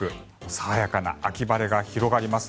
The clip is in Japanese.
爽やかな秋晴れが広がります。